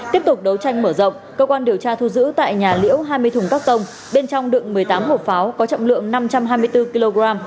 tiếp tục đấu tranh mở rộng cơ quan điều tra thu giữ tại nhà liễu hai mươi thùng các tông bên trong đựng một mươi tám hộp pháo có trọng lượng năm trăm hai mươi bốn kg